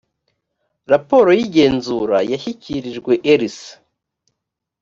raporo y igenzura yashyikirijwe erc